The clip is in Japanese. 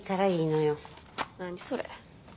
何それ。